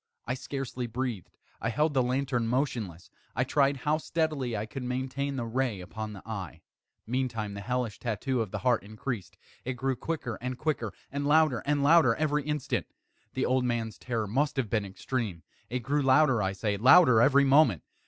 I scarcely breathed. I held the lantern motionless. I tried how steadily I could maintain the ray upon the eve. Meantime the hellish tattoo of the heart increased. It grew quicker and quicker, and louder and louder every instant. The old man's terror must have been extreme! It grew louder, I say, louder every moment!